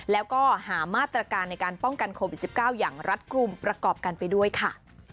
แล้วก็หามาตรการในการป้องกันโควิด๑๙อย่างรัฐกลุ่มประกอบกันไปด้วยค่ะ